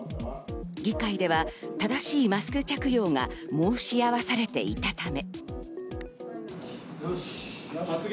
議会では正しいマスク着用が申し合わされていたため。